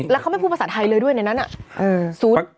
แล้วเขาไม่พูดภาษาไทยเลยด้วยในนั้นน่ะ